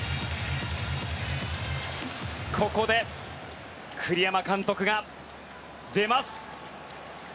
ここで栗山監督が出ます。